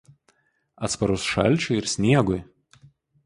Atsparus šalčiui ir sniegui.